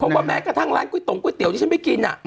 ผมว่าแม้กระทั่งร้านกุ้ยตงกุ้ยเตี๋ยวที่ฉันไม่กินอ่ะ